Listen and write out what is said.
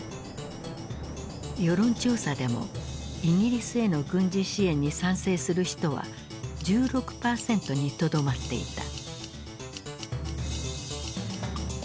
世論調査でもイギリスへの軍事支援に賛成する人は１６％にとどまっていた。